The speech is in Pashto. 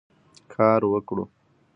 کار وکړو.